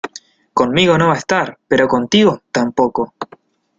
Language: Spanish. conmigo no va a estar, pero contigo tampoco.